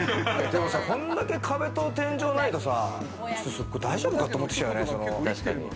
こんだけ壁と天井ないと大丈夫かと思ってきちゃうよね。